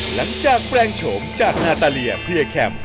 หลังจากแปลงโฉมจากนัตลียเพลี่ยแคมพ์